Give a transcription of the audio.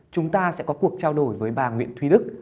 chúng ta sẽ có cuộc trao đổi với bà nguyễn thúy đức